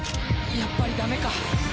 やっぱりダメか。